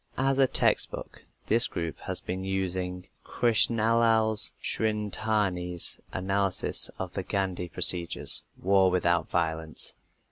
As a "textbook" this group has been using Krishnalal Shridharani's analysis of the Gandhi procedures, War Without Violence.